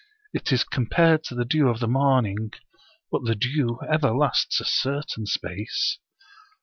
It is compared to the dew of the morning, but the dew ever lasts a certain space.